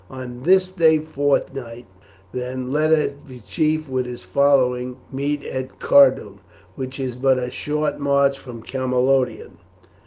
On this day fortnight, then, let every chief with his following meet at Cardun, which is but a short march from Camalodunum.